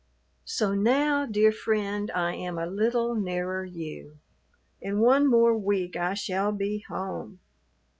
So now, dear friend, I am a little nearer you. In one more week I shall be home.